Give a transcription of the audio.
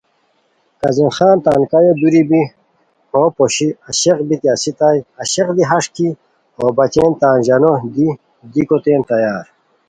کاظم خان تان کایو دُوری بی ہو پوشی عاشق بیتی اسیتائے ، عاشق دی ہݰ کی ہوبچین تان ژانو دی دیکوتین تیار